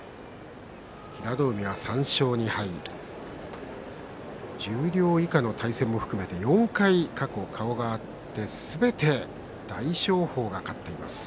平戸海３勝２敗十両以下の対戦も含めて過去４回顔が合ってすべて大翔鵬が勝っています。